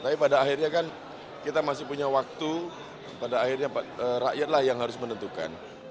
tapi pada akhirnya kan kita masih punya waktu pada akhirnya rakyatlah yang harus menentukan